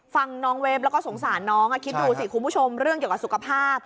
ฟังน้องเวฟแล้วก็สงสารน้องคิดดูสิคุณผู้ชมเรื่องเกี่ยวกับสุขภาพ